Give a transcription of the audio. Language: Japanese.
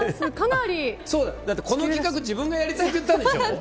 この企画自分がやりたいって言ったんでしょ？